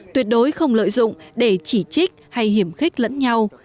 tuyệt đối không lợi dụng để chỉ trích hay hiểm khích lẫn nhau